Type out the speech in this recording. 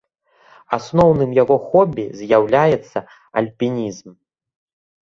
Асноўным яго хобі з'яўляецца альпінізм.